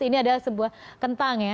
ini adalah sebuah kentang ya